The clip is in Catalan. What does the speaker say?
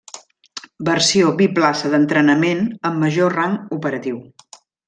Versió biplaça d'entrenament amb major rang operatiu.